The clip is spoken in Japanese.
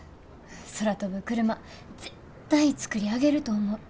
空飛ぶクルマ絶対作り上げると思う。